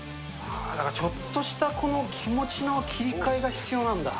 だからちょっとしたこの気持ちの切り替えが必要なんだ。